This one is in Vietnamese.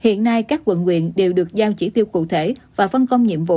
hiện nay các quận nguyện đều được giao chỉ tiêu cụ thể và phân công nhiệm vụ